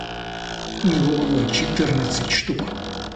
У него было четырнадцать штук.